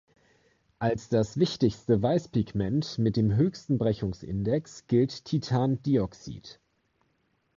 Als das wichtigste Weißpigment mit dem höchsten Brechungsindex gilt Titandioxid.